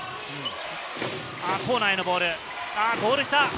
コーナーへのボール、ゴール下。